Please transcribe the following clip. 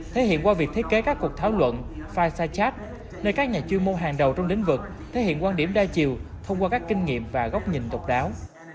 thể hiện qua việc thiết kế các cuộc thảo luận file side chat nơi các nhà chuyên môn hàng đầu trong lĩnh vực thể hiện quan điểm đa chiều thông qua các kinh nghiệm và góc nhìn độc đáo